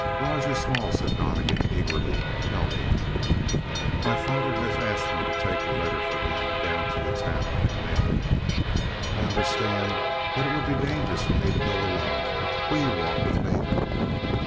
"Large or small," said Donnegan eagerly. "Tell me!" "My father has asked me to take a letter for him down to the town and mail it. I I understand that it would be dangerous for me to go alone. Will you walk with me?"